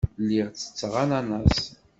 Lliɣ ttetteɣ ananaṣ.